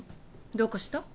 どうかした？